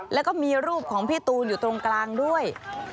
แล้วก็มีรูปของพี่ตูนอยู่ตรงกลางด้วย